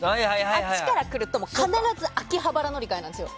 あっちから来ると必ず秋葉原乗り換えなんですよ。